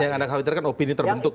yang anda khawatirkan opini terbentuk